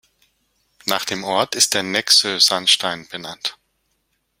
Nach dem Ort ist der Nexö-Sandstein benannt.